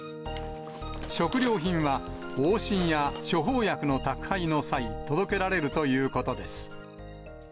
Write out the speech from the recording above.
食料品は往診や処方薬の宅配の際、届けられるということです。